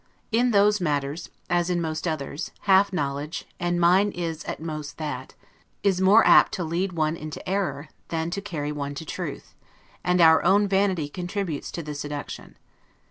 In those matters, as in most others, half knowledge (and mine is at most that) is more apt to lead one into error, than to carry one to truth; and our own vanity contributes to the seduction.